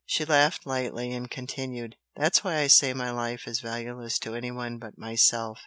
She laughed lightly, and continued, "That's why I say my life is valueless to anyone but myself.